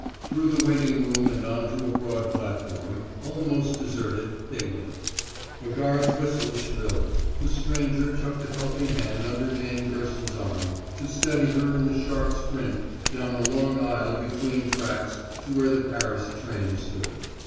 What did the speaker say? Through the waiting room and on to a broad platform, almost deserted, they went. A guard's whistle shrilled. The stranger tucked a helping hand under Jane Gerson's arm to steady her in the sharp sprint down a long aisle between tracks to where the Paris train stood.